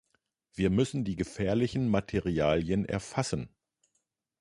Wir müssen die gefährlichen Materialien erfassen.